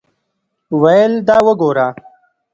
ویل دا وګوره.